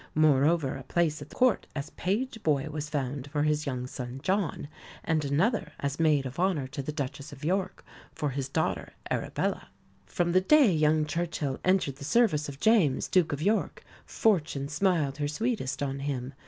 Moreover, a place at Court, as page boy, was found for his young son John; and another, as maid of honour to the Duchess of York, for his daughter Arabella. From the day young Churchill entered the service of James, Duke of York, Fortune smiled her sweetest on him.